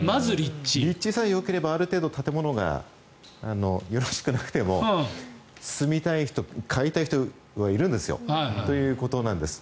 立地さえよければある程度建物がよろしくなくても住みたい人借りたい人はいるんですよ。ということなんです。